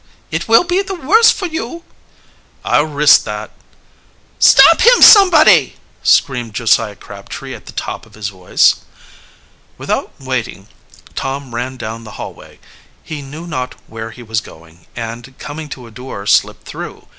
"It will be the worse for you!" "I'll risk that." "Stop him, somebody!" screamed Josiah Crabtree at the top of his voice. Without waiting, Tom ran down the hallway. He knew not where he was going, and, coming, to a door, slipped through.